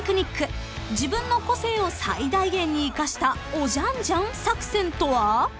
［自分の個性を最大限に生かした「おじゃんじゃん作戦」とは？］